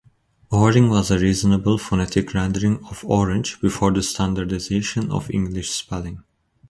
"Orring" was a reasonable phonetic rendering of "orange" before the standardization of English spelling.